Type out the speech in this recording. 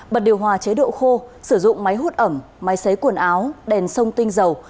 bật điều hòa chế độ khô sử dụng máy hút ẩm máy xấy quần áo đèn sông tinh dầu